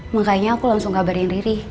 makanya aku langsung kabarin riri